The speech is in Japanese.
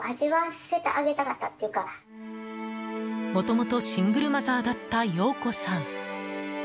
元々シングルマザーだった洋子さん。